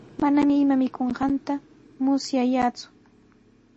Manami ima mikunqanta musyallaaku.